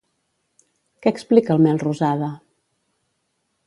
Què explica el Melrosada?